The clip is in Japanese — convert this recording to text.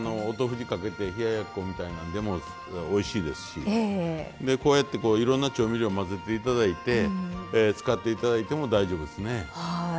お豆腐にかけて冷ややっこみたいなんでもおいしいですしこうやっていろんな調味料混ぜて頂いて使って頂いても大丈夫ですね。